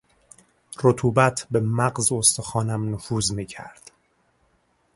رطوبت به مغز استخوانم نفوذ میکرد.